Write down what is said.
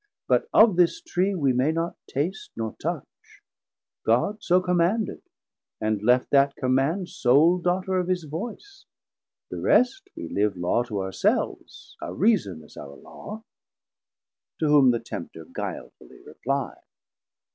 650 But of this Tree we may not taste nor touch; God so commanded, and left that Command Sole Daughter of his voice; the rest, we live Law to our selves, our Reason is our Law. To whom the Tempter guilefully repli'd.